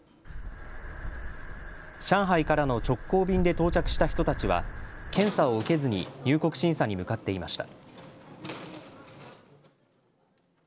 上海からの直行便で到着した人たちは検査を受けずに入国審査に向かっていました。